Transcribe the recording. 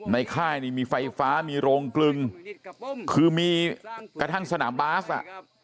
ค่ายนี่มีไฟฟ้ามีโรงกลึงคือมีกระทั่งสนามบาสอ่ะ